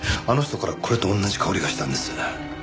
あの人からこれと同じ香りがしたんです。